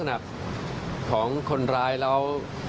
ดูลักษณะของคนรายเรา